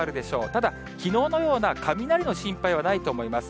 ただ、きのうのような雷の心配はないと思います。